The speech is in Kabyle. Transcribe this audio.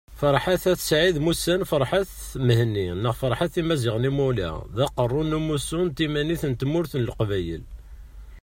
Ferḥat At Said mmusan Ferhat Mehenni neɣ Ferhat Imazighen Imula, d Aqerru n Umussu n Timanit n Tmurt n Leqbayel